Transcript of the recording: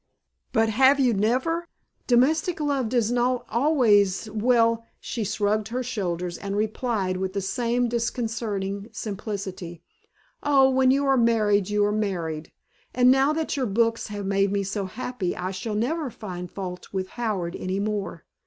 "But have you never domestic love does not always well " She shrugged her shoulders and replied with the same disconcerting simplicity, "Oh, when you are married you are married. And now that your books have made me so happy I never find fault with Howard any more.